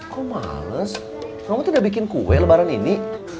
kok males kamu tidak bikin kue lebaran ini